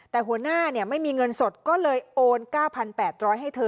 แต่หัวหน้าไม่มีเงินสดก็เลยโอน๙๘๐๐ให้เธอ